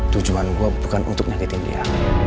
tujuan gue bukan untuk nyakitin dia